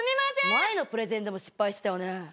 前のプレゼンでも失敗してたね。